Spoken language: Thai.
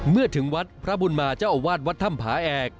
เมื่อถึงวัดพระบุญมาเจ้าอาวาสวัดถ้ำผาแอก